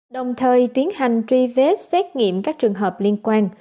đồng thời tiến hành truy vết xét nghiệm các trường hợp liên quan